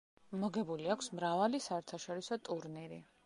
მოგებული აქვს მრავალი საერთაშორისო ტურნირი.